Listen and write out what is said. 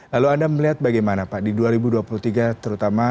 lalu anda melihat bagaimana pak di dua ribu dua puluh tiga terutama